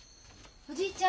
おじいちゃん